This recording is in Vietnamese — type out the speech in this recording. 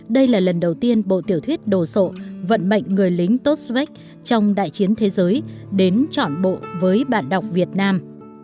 đây là lần đầu tiên bộ tiểu thuyết đồ sộ vận mệnh người lính tốt svek trong đại chiến thế giới đến trọn bộ với bản đọc việt nam